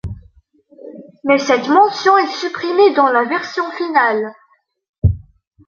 Mais cette mention est supprimée dans la version finale.